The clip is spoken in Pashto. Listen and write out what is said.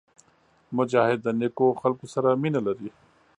مجاهد د نیکو خلکو سره مینه لري.